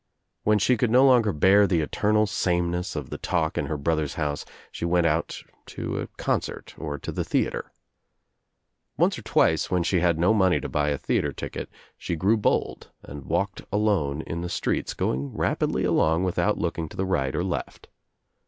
When she could no longer bear the eternal sameness of the talk in her brother's house she went out to a concert or to the theatre. Once or twice when she had no money to buy a theatre ticket she grew bold and walked alone in the streets, going rapidly along without looking to the right or left.